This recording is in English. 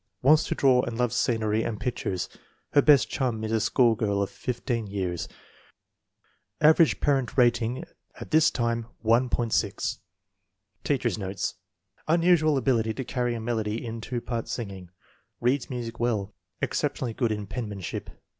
Wants to draw and loves scenery and pic tures. Her best chum is a school girl of fifteen years/' Average parent rating at this time, 1.60. Teacher 9 s notes. Unusual ability to carry a melody in two part singing. Reads music well. Exception ally good in penmanship.